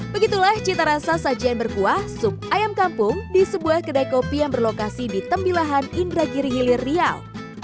begitulah cita rasa sajian berkuah sup ayam kampung di sebuah kedai kopi yang berlokasi di tembilahan indragiri hilir riau